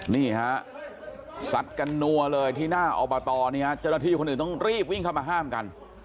นี่ฮะสัดกันนัวเลยที่หน้าอบตเนี่ยเจ้าหน้าที่คนอื่นต้องรีบวิ่งเข้ามาห้ามกัน